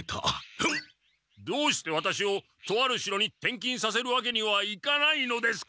どうしてワタシをとある城に転勤させるわけにはいかないのですか？